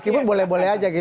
meskipun boleh boleh aja gitu